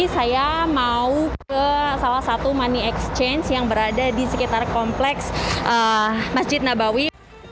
saya mau ke salah satu money exchange yang berada di sekitar kompleks masjid nabawi